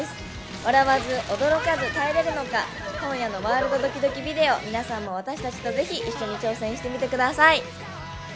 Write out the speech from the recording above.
笑わず驚かず耐えられるのか、今夜の『ワールドドキドキビデオ』、皆さんも私たちとぜひ一緒に挑戦してみてください。